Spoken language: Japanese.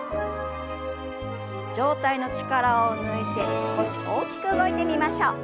上体の力を抜いて少し大きく動いてみましょう。